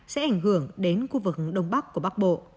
sẽ ảnh hưởng đến khu vực đông bắc của bắc bộ